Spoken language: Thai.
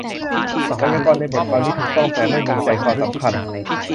ไวยากรณ์ในบทความนี้ถูกต้อง แต่ไม่มีใจความสำคัญ